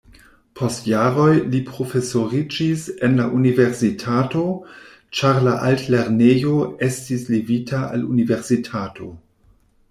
Post jaroj li profesoriĝis en la universitato, ĉar la altlernejo estis levita al universitato.